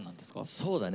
そうだね